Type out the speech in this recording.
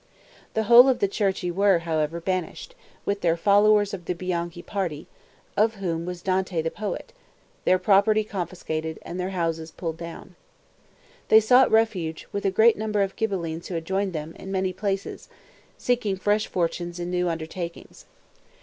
The whole of the Cerchi were, however, banished, with their followers of the Bianchi party, of whom was Dante the poet, their property confiscated, and their houses pulled down. They sought refuge, with a great number of Ghibellines who had joined them, in many places, seeking fresh fortunes in new undertakings.